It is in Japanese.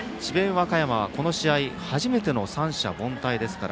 和歌山はこの試合、初めての三者凡退。